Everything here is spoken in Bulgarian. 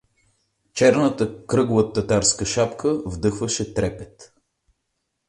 Черната кръгла татарска шапка вдъхваше трепет.